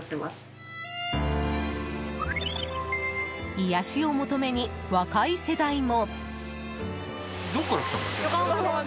癒やしを求めに若い世代も。